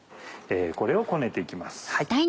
これをこねて行きます。